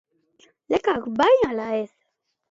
Lekak bai ala ez?